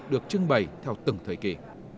được trưng bày theo từng thời kỳ